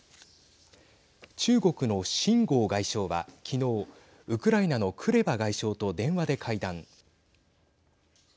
中国の秦剛外相は昨日ウクライナのクレバ外相と電話で会談。